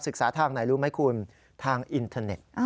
ทางไหนรู้ไหมคุณทางอินเทอร์เน็ต